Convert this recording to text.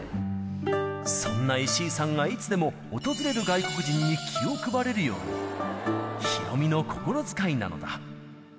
そんな石井さんがいつでも訪れる外国人に気を配れるように、ヒロミの心遣いなのだ。